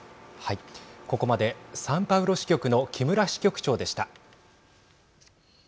ここまでサンパウロ支局の木村支局長でした。